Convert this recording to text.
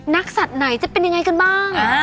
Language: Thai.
สัตว์ไหนจะเป็นยังไงกันบ้าง